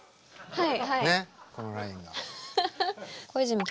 はい。